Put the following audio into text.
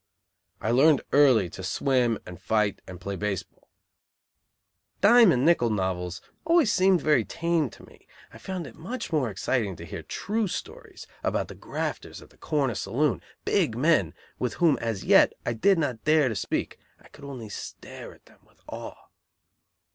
I learned early to swim and fight and play base ball. Dime and nickel novels always seemed very tame to me; I found it much more exciting to hear true stories about the grafters at the corner saloon! big men, with whom as yet I did not dare to speak; I could only stare at them with awe.